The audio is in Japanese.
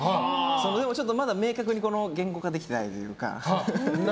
でもまだ明確に言語化できてないというか。